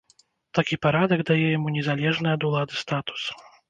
Такі парадак дае яму незалежны ад улады статус.